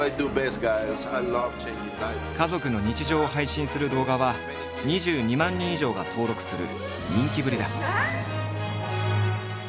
家族の日常を配信する動画は２２万人以上が登録する人気ぶりだ。